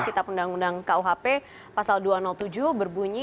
kita pendang pendang kuhp pasal dua ratus tujuh berbunyi